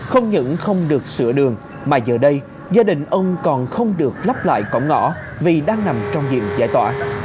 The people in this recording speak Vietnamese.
không những không được sửa đường mà giờ đây gia đình ông còn không được lắp lại cổng ngõ vì đang nằm trong diện giải tỏa